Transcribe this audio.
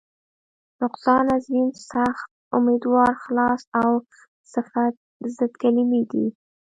نقصان، عظیم، سخت، امیدوار، خلاص او صفت ضد کلمې دي.